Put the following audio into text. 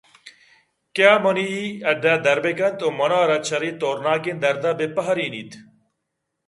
کہ آمنی اے ہَڈّءَ در بہ کنت ءُ منارا چرے توٛرناکیں درد ءَ بِہ پِرّ ینیت